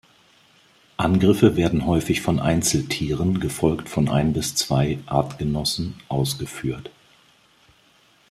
Angriffe werden häufig von Einzeltieren, gefolgt von ein bis zwei Artgenossen ausgeführt.